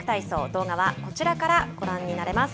動画はこちらからご覧になれます。